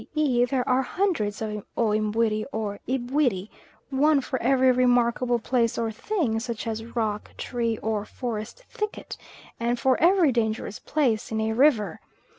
e. there are hundreds of O Mbuiri or Ibwiri, one for every remarkable place or thing, such as rock, tree, or forest thicket, and for every dangerous place in a river.